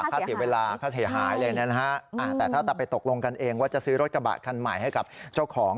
ค่าเสียเวลาค่าเสียหายเลยนะฮะแต่ถ้าจะไปตกลงกันเองว่าจะซื้อรถกระบะคันใหม่ให้กับเจ้าของ